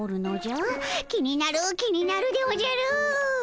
気になる気になるでおじゃる！